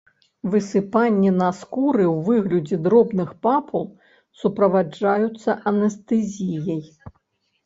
Высыпанні на скуры ў выглядзе дробных папул суправаджаюцца анестэзіяй.